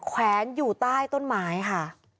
แขวนอยู่ใต้ต้นไม้ค่ะ